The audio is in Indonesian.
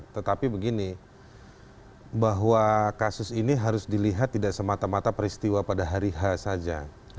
tetapi begini bahwa kasus ini harus dilihat tidak semata mata peristiwa pada hari h saja